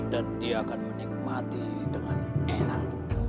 dan dia akan menikmati dengan enak